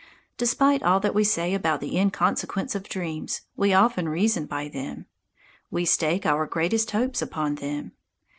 Despite all that we say about the inconsequence of dreams, we often reason by them. We stake our greatest hopes upon them.